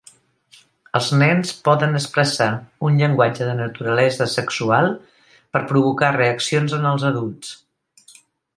Els nens poden expressar un llenguatge de naturalesa sexual per provocar reaccions en els adults.